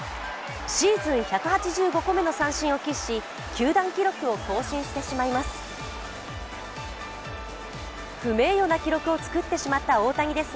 シーズン１８５個目の三振を喫し、球団記録を更新してしまいます。